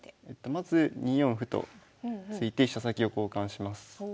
まず２四歩と突いて飛車先を交換します。